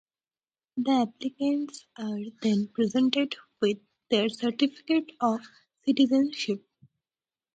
The applicants are then presented with their certificate of citizenship.